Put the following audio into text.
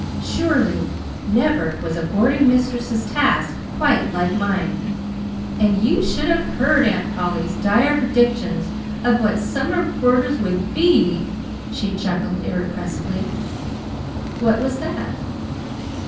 "Surely, never was a boarding house mistress's task quite like mine! And you should have heard Aunt Polly's dire predictions of what summer boarders would be," she chuckled irrepressibly. "What was that?"